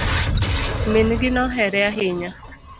Min gi nohere ahinya